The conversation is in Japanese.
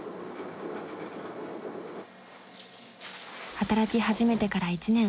働き始めてから１年。